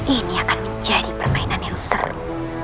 ini akan menjadi permainan yang seru